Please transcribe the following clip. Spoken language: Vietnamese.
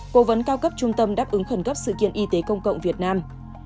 cố vấn cao cấp trung tâm đáp ứng khẩn cấp sự kiện y tế công cộng việt nam